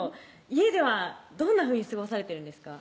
家ではどんなふうに過ごされてるんですか？